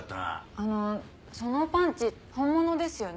あのそのパンチ本物ですよね？